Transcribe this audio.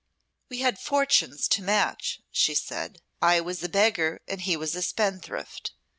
"We had fortunes to match," she said "I was a beggar and he was a spendthrift.